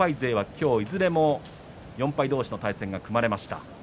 今日いずれも４敗同士の対戦が組まれました。